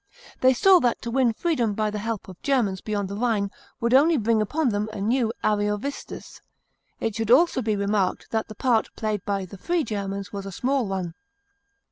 They saw that to win freedom by the help of Germans beyond the Rhino would only bring upon them a new Ariovistus. It should also be remarked that the part played by the free Germans was a small one.